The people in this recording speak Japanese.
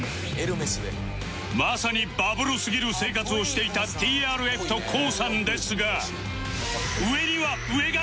まさにバブルすぎる生活をしていた ＴＲＦ と ＫＯＯ さんですが